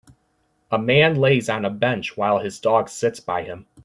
A man lays on a bench while his dog sits by him.